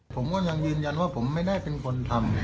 ผมก็ยังยืนยันว่าผมไม่ได้เป็นคนทำ